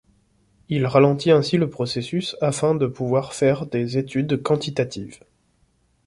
Il ralentit ainsi le processus afin de pouvoir faire des études quantitatives.